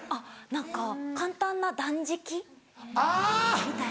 何か簡単な断食みたいな。